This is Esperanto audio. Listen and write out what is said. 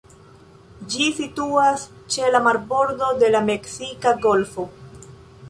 Ĝi situas ĉe la marbordo de la Meksika Golfo.